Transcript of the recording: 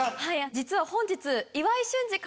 実は本日。